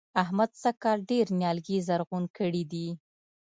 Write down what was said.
احمد سږ کال ډېر نيالګي زرغون کړي دي.